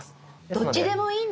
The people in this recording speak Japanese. どっちでもいいんだ。